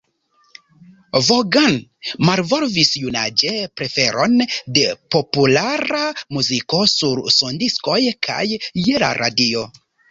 Vaughan malvolvis junaĝe preferon de populara muziko sur sondiskoj kaj je la radio.